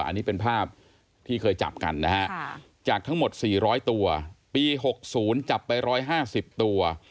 อันนี้เป็นภาพที่เคยจับกันนะฮะจากทั้งหมด๔๐๐ตัวปี๖๐จับไป๑๕๐ตัว